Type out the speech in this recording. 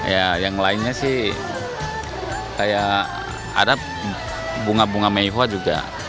ya yang lainnya sih kayak ada bunga bunga meiho juga